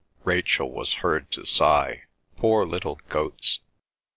Rachel was heard to sigh, "Poor little goats!"